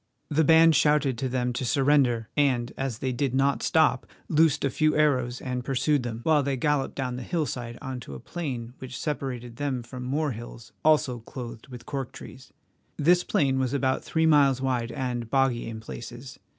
The band shouted to them to surrender, and, as they did not stop, loosed a few arrows and pursued them, while they galloped down the hillside on to a plain which separated them from more hills also clothed with cork trees. This plain was about three miles wide and boggy in places.